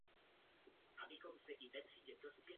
Proto nechápu, proč se nyní snižujete ke stejným praktikám.